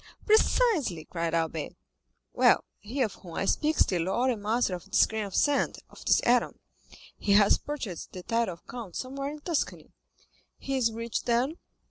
"Precisely!" cried Albert. "Well, he of whom I speak is the lord and master of this grain of sand, of this atom; he has purchased the title of count somewhere in Tuscany." "He is rich, then?"